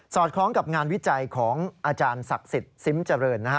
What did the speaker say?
คล้องกับงานวิจัยของอาจารย์ศักดิ์สิทธิ์ซิมเจริญนะฮะ